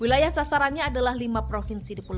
wilayah sasarannya adalah lima provinsi diperlukan